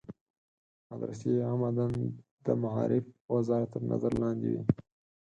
مدرسې عمدتاً د معارف وزارت تر نظر لاندې وي.